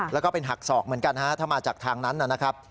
แล้วก็เป็นหักศอกเหมือนกันฮะถ้ามาจากทางนั้นนะครับ